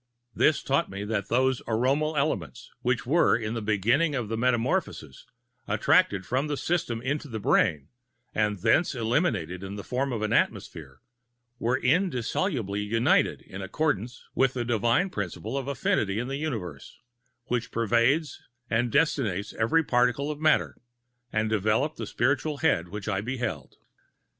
This taught me that those aromal elements, which were, in the beginning of the metamorphosis, attracted from the system into the brain, and thence eliminated in the form of an atmosphere, were indissolubly united in accordance with the divine principle of affinity in the universe, which pervades and destinates every particle of matter, and developed the spiritual head which I beheld.